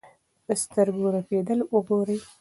د سترګو رپېدل وګورئ.